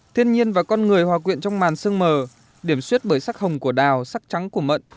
thiên nhiên và con người hòa quyện trong màn sương mờ điểm suyết bởi sắc hồng của đào sắc trắng của mận